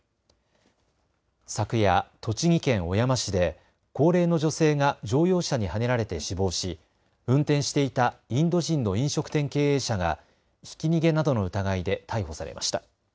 昨夜、栃木県小山市で高齢の女性が乗用車にはねられて死亡し運転していたインド人の飲食店経営者がひき逃げなどの疑いで逮捕されました。